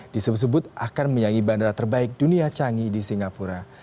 disebut sebut akan menyanyi bandara terbaik dunia canggih di singapura